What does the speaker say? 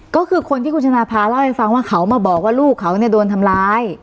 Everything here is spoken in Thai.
ก็คือคนที่คุณชนะภาเล่าให้ฟังว่าเขามาบอกว่าลูกเขาเนี่ยโดนทำร้าย